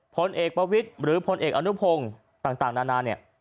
พลเอกประวิทย์หรือพลเอกอนุพงศ์ต่างนานาเนี่ย